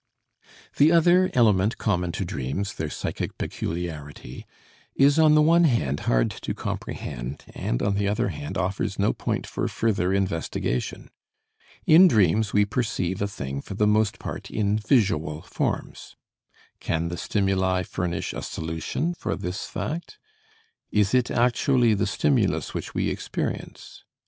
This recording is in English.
The other element common to dreams, their psychic peculiarity, is on the one hand hard to comprehend, and on the other hand offers no point for further investigation. In dreams we perceive a thing for the most part in visual forms. Can the stimuli furnish a solution for this fact? Is it actually the stimulus which we experience?